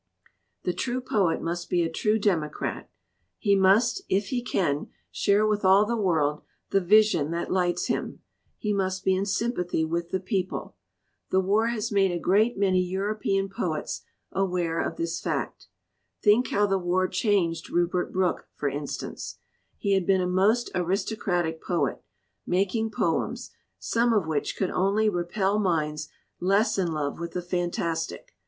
"The true poet must be a true democrat; he must, if he can, share with all the world the vision that lights him; he must be in sympathy with the people. The war has made a great many European poets aware of this fact. Think how the war changed Rupert Brooke, for instance? He had been a most aristocratic poet, making poems, some of which could only repel minds less in love with the fantastic.